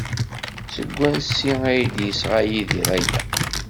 Seg wansi ay d-yesɣa Yidir aya?